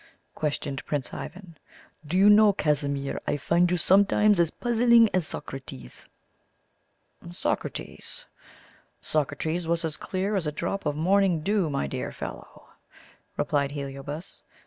questioned Prince Ivan. "Do you know, Casimir, I find you sometimes as puzzling as Socrates." "Socrates? Socrates was as clear as a drop of morning dew, my dear fellow," replied Heliobas.